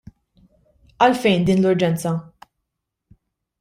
Għalfejn din l-urġenza?